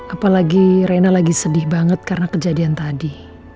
apalagi rena lagi sedih banget karena kejadian tadi